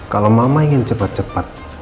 kalau mama ingin cepat cepat